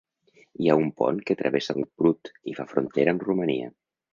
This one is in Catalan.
Hi ha un pont que travessa el Prut i fa frontera amb Romania.